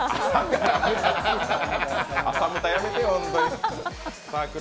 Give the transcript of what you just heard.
朝ムタやめてよ、本当に。